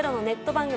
番組